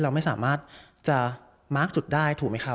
เราไม่สามารถจะมาร์คจุดได้ถูกไหมคะ